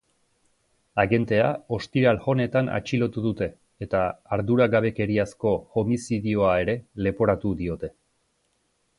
Agentea ostiral honetan atxilotu dute, eta arduragabekeriazko homizidioa ere leporatu diote.